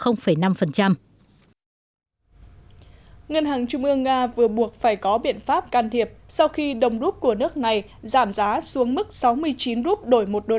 ngân hàng trung ương nga vừa buộc phải có biện pháp can thiệp sau khi đồng rút của nước này giảm giá xuống mức sáu mươi chín rup đổi một usd